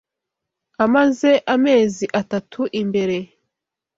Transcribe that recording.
Amaze amezi atatu imbere.